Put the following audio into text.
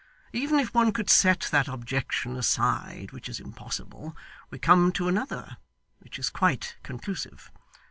Even if one could set that objection aside, which is impossible, we come to another which is quite conclusive.